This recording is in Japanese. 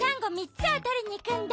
つをとりにいくんだ。